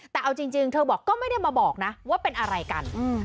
แต่เอาจริงเธอบอกก็ไม่ได้มาบอกนะว่าเป็นอะไรกัน